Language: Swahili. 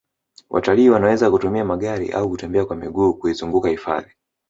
watalii wanaweza kutumia magari au kutembea kwa miguu kuizunguka hifadhi